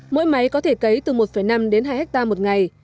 mỗi máy có thể cấy từ một năm đến hai hectare một ngày